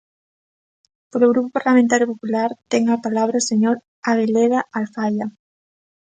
Polo Grupo Parlamentario Popular, ten a palabra o señor Abeleda Alfaia.